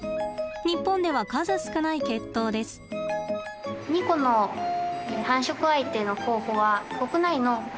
日本では数少ない血統です。